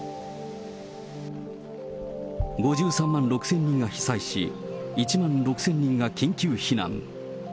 ５３万６０００人が被災し、１万６０００人が緊急避難。